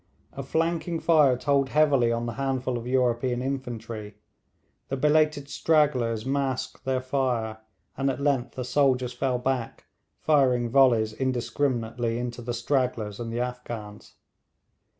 A flanking fire told heavily on the handful of European infantry. The belated stragglers masked their fire, and at length the soldiers fell back, firing volleys indiscriminately into the stragglers and the Afghans.